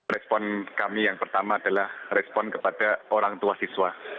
respon kami yang pertama adalah respon kepada orang tua siswa